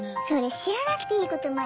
知らなくていいことまで。